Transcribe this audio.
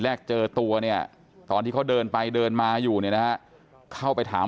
เจอตัวเนี่ยตอนที่เขาเดินไปเดินมาอยู่เนี่ยนะฮะเข้าไปถาม